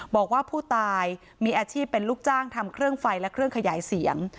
บอกว่าผู้ตายมีอาชีพเป็นลูกจ้างทำเครื่องไฟและเครื่องขยายเสียง